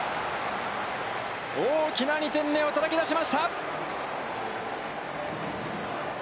大きな２点目をたたき出しました。